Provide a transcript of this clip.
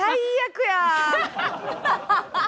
ハハハハ！